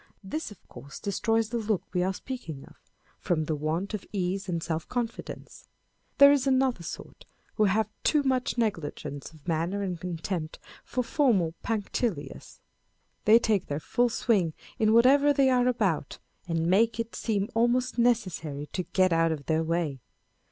This, of course, destroys the look we are speaking of, from the want of ease and self confidence. There is another sort who have too much negligence of manner and contempt for formal punctilios. They take their full swing in whatever they are about, and make it seem almost necessary to get out of their way.